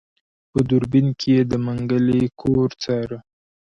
په دوربين کې يې د منګلي کور څاره.